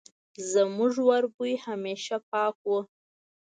زموږ وربوی همېشه پاک وو